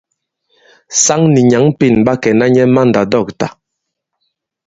Saŋ nì nyǎŋ Pên ɓa kɛ̀na nyɛ i mandàdɔ̂ktà.